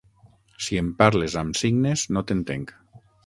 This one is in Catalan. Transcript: Si em parles amb signes, no t'entenc.